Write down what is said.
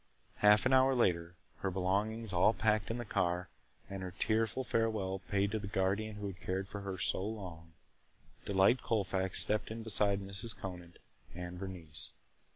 Half an hour later, her belongings all packed in the car and her tearful farewell said to the guardian who had cared for her so long, Delight Colfax stepped in beside Mrs. Conant and Bernice.